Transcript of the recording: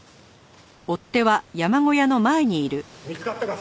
見つかったか？